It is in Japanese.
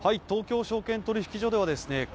東京証券取引所ではですね